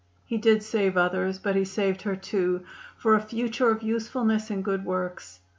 He did save others, but he saved her, too, for a future of usefulness and good works.